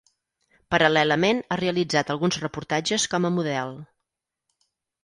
Paral·lelament ha realitzat alguns reportatges com a model.